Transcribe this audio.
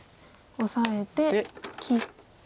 オサえて切って。